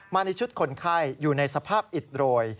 ในชุดคนไข้อยู่ในสภาพอิดโรย